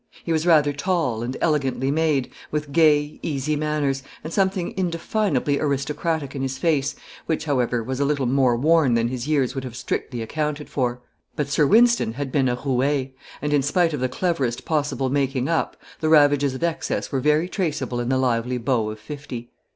He was rather tall, and elegantly made, with gay, easy manners, and something indefinably aristocratic in his face, which, however, was a little more worn than his years would have strictly accounted for. But Sir Wynston had been a roué, and, spite of the cleverest possible making up, the ravages of excess were very traceable in the lively beau of fifty.